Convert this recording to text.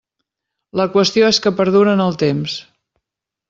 La qüestió és que perdure en el temps.